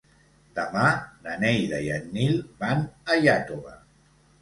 Demà na Neida i en Nil van a Iàtova.